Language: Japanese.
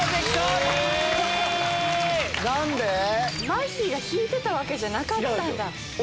まっひーが引いてたわけじゃなかったんだ。